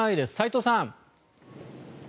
齋藤さん。